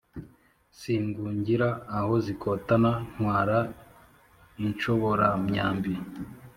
singungira aho zikotana ntwara inshoboramyambi.